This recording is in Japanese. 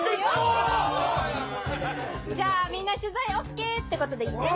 じゃあみんな取材ＯＫってことでいいね！